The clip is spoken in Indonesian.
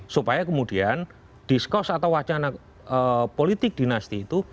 supaya kemudian diskos atau wacana politik dinasti itu